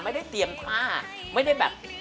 ไม่ได้เตรียมผ้าไม่ได้แบบ